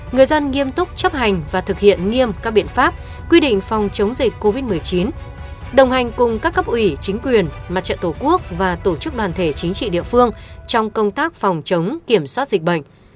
người dân nghiêm túc chấp hành và thực hiện nghiêm các biện pháp quy định phòng chống dịch covid một mươi chín đồng hành cùng các cấp ủy chính quyền mặt trận tổ quốc và tổ chức đoàn thể chính trị địa phương trong công tác phòng chống kiểm soát dịch bệnh